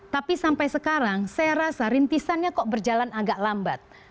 tapi sampai sekarang saya rasa rintisannya kok berjalan agak lambat